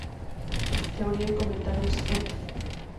Teoría y comentarios, ed.